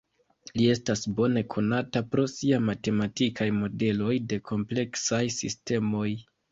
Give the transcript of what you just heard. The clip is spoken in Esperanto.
Li estas bone konata pro sia matematikaj modeloj de kompleksaj sistemoj.